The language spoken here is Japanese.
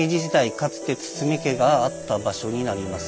かつて堤家があった場所になります。